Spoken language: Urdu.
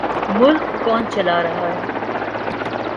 ملک کون چلا رہا ہے؟